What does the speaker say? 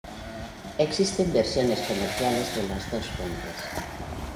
Existen versiones comerciales de las dos fuentes.